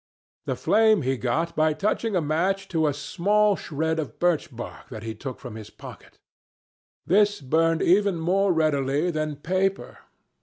The flame he got by touching a match to a small shred of birch bark that he took from his pocket. This burned even more readily than paper.